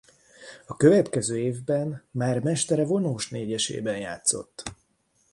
A következő évben már mestere vonósnégyesében játszott.